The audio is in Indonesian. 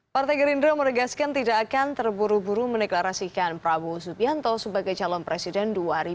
partai gerindra menegaskan tidak akan terburu buru meneklarasikan prabowo subianto sebagai calon presiden dua ribu dua puluh